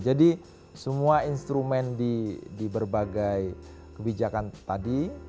jadi semua instrumen di berbagai kebijakan tadi